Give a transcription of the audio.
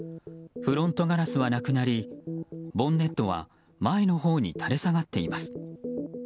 フロントガラスはなくなりボンネットは前のほうに垂れ下がっています。